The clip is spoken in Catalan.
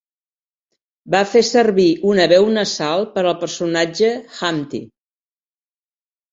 Va fer servir una veu nasal per al personatge Humpty.